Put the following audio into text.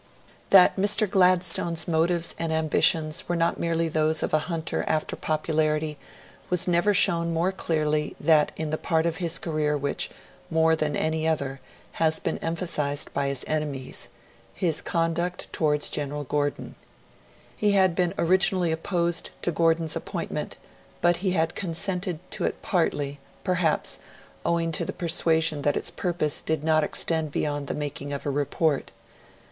That Mr. Gladstone's motives and ambitions were not merely those of a hunter after popularity was never shown more clearly than in that part of his career which, more than any other, has been emphasised by his enemies his conduct towards General Gordon. He had been originally opposed to Gordon's appointment, but he had consented to it partly, perhaps, owing to the persuasion that its purpose did not extend beyond the making of a 'report'.